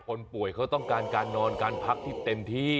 คนป่วยเขาต้องการการนอนการพักที่เต็มที่